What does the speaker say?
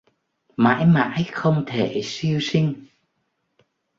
Mãi mãi không thể siêu sinh